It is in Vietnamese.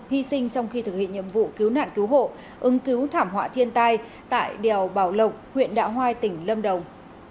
hy sinh trong khi thực hiện nhiệm vụ cứu nạn cứu hộ ứng cứu thảm họa thiên tai tại đèo bảo lộc huyện đạo hoai tỉnh lâm đồng